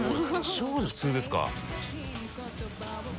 「小」で普通ですか。